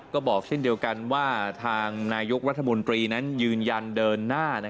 ก็บอกเช่นเดียวกันว่าทางนายกรัฐมนตรีนั้นยืนยันเดินหน้า